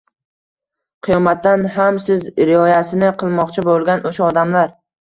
Qiyomatda ham siz rioyasini qilmoqchi bo‘lgan o‘sha odamlar